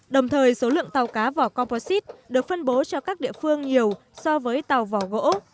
đồng thời số lượng tàu cá vỏ composite được phân bố cho các địa phương nhiều so với tàu vỏ gỗ